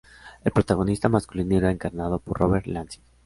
El protagonista masculino era encarnado por Robert Lansing.